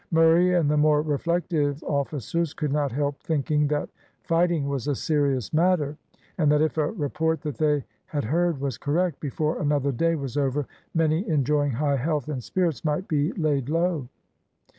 Murray and the more reflective officers, could not help thinking that fighting was a serious matter, and that if a report that they had heard was correct, before another day was over, many enjoying high health and spirits might be laid low.